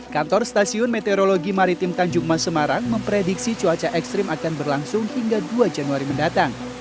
kantor stasiun meteorologi maritim tanjung mas semarang memprediksi cuaca ekstrim akan berlangsung hingga dua januari mendatang